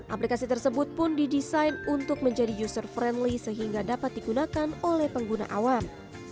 aplikasi tersebut pun didesain untuk menjadi user friendly sehingga dapat digunakan oleh pengguna awam